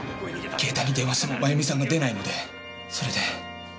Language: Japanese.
携帯に電話しても真弓さんが出ないのでそれで。